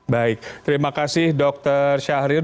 baik terima kasih dokter syahrir